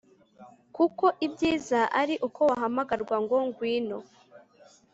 Kuko ibyiza ari uko wahamagarwa ngo ngwino